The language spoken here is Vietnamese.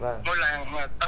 của ngôi làng nhưng mà em chụp